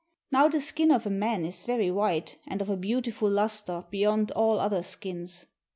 Now the skin of a man is very white and of a beautiful luster beyond all other skins.